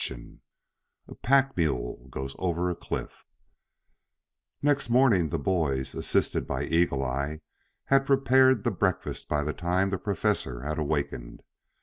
CHAPTER II A PACK MULE GOES OVER A CLIFF Next morning the boys, assisted by Eagle eye, had prepared the breakfast by the time the Professor had awakened.